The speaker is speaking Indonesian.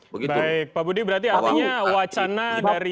baik pak budi berarti artinya wacana dari